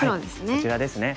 こちらですね。